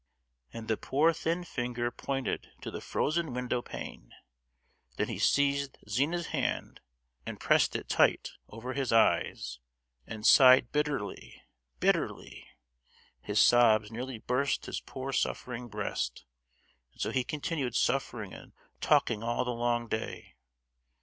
And the poor thin finger pointed to the frozen window pane. Then he seized Zina's hand and pressed it tight over his eyes, and sighed bitterly—bitterly! His sobs nearly burst his poor suffering breast.... And so he continued suffering and talking all the long day.